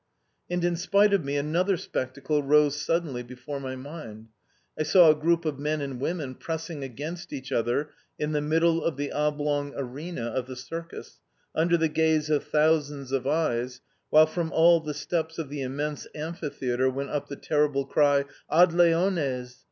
And, in spite of me, another spectacle rose suddenly before my mind. I saw a group of men and women pressing against each other in the middle of the oblong arena of the circus, under the gaze of thousands of eyes, while from all the steps of the immense amphitheatre went up the terrible cry, AD LEONES!